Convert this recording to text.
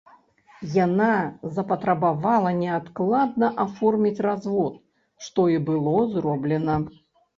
Яна запатрабавала неадкладна аформіць развод, што і было зроблена.